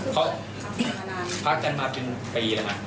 เขาจะอยู่กับผมทุกวัน